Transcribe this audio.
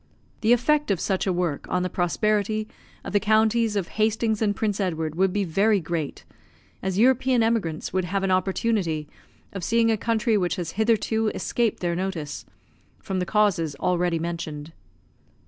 The effect of such a work on the prosperity of the counties of Hastings and Prince Edward would be very great, as European emigrants would have an opportunity of seeing a country which has hitherto escaped their notice, from the causes already mentioned.